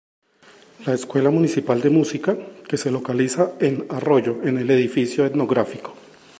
La Escuela Municipal de Música, que se localiza en Arroyo en el Edificio Etnográfico.